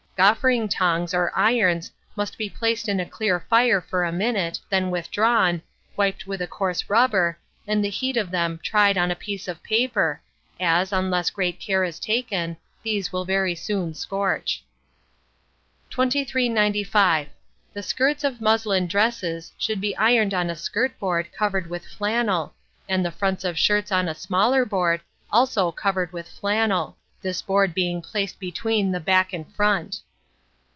Gauffering tongs or irons must be placed in a clear fire for a minute, then withdrawn, wiped with a coarse rubber, and the heat of them tried on a piece of paper, as, unless great care is taken, these will very soon scorch. 2395. The skirts of muslin dresses should be ironed on a skirt board covered with flannel, and the fronts of shirts on a smaller board, also covered with flannel; this board being placed between the back and front.